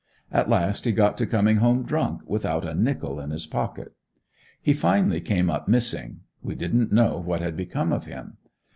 At last he got to coming home drunk without a nickel in his pocket. He finally came up missing; we didn't know what had become of him.